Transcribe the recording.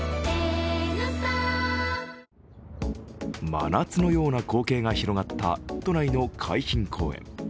真夏のような光景が広がった都内の海浜公園。